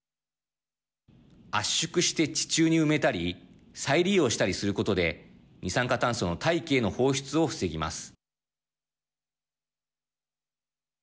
圧縮して地中に埋めたり再利用したりすることで二酸化炭素の大気への放出を防ぎます。